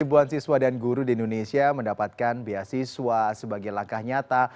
ribuan siswa dan guru di indonesia mendapatkan beasiswa sebagai langkah nyata